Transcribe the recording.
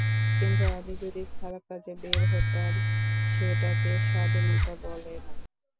কিন্তু আমি যদি খারাপ কাজে বের হতাম, সেটাকে স্বাধীনতা বলে না।